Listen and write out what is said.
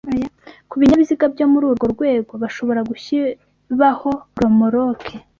Ku binyabiziga byo muri urwo rwego bashobora gushyibaho romoroke